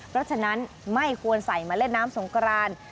เพราะฉะนั้นไม่ควรใส่มาเล่นน้ำสงกราน